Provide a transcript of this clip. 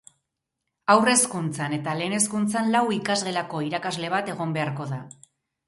Haur hezkuntzan eta lehen hezkuntzan lau ikasgelako irakasle bat egon beharko da.